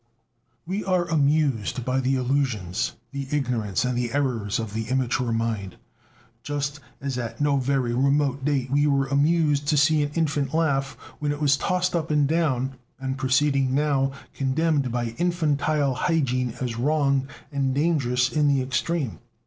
We are amused by the illusions, the ignorance, and the errors of the immature mind, just as at no very remote date we were amused to see an infant laugh when it was tossed up and down, a proceeding now condemned by infantile hygiene as wrong and dangerous in the extreme.